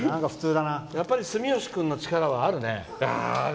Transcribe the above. やっぱり住吉君の力はあるね。